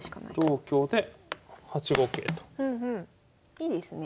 いいですね。